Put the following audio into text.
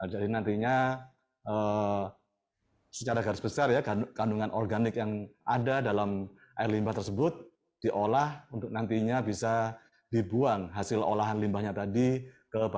jadi nantinya secara garis besar ya kandungan organik yang ada dalam air limbah tersebut diolah untuk nantinya bisa dibuang hasil olahan limbahnya tadi ke badan air atau di dalam air limbah